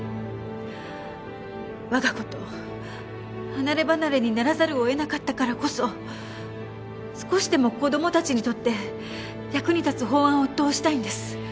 我が子と離れ離れにならざるを得なかったからこそ少しでも子供たちにとって役に立つ法案を通したいんです。